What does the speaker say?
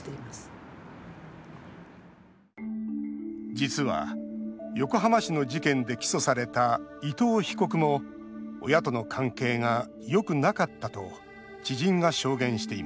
実は横浜市の事件で起訴された伊藤被告も親との関係がよくなかったと知人が証言しています。